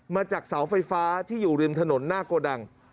มาจากเสาไฟฟ้าที่อยู่ริมถนนหน้าโกดัง